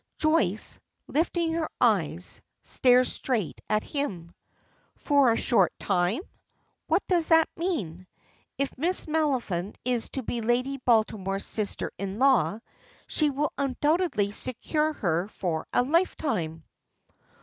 Joyce, lifting her eyes, stares straight at him. "For a short time!" What does that mean? If Miss Maliphant is to be Lady Baltimore's sister in law, she will undoubtedly secure her for a lifetime!